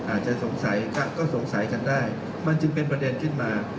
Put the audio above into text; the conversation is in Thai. อาจจะสงสัยก็สงสัยกันได้มันจึงเป็นประเด็นขึ้นมา